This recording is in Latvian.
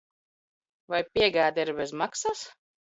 Vai piegāde ir bez maksas?